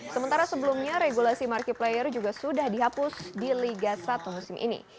sementara sebelumnya regulasi markiplayer juga sudah dihapus di liga satu musim ini